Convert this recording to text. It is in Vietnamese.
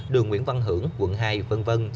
đường nguyễn văn hưởng quận hai v v